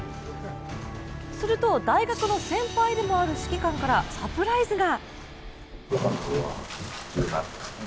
すると、大学の先輩でもある指揮官からサプライズが。